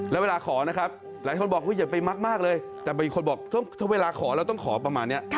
แล้วเวลาขอนะครับหลายคนบอกอย่าไปมักมากเลยแต่บางคนบอกถ้าเวลาขอเราต้องขอประมาณนี้